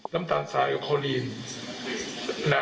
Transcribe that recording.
น้ำตาลสายโอโคลีน